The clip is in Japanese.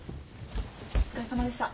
お疲れさまでした。